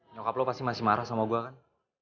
nyokap lo pasti masih marah sama gue kan